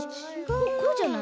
こうじゃない？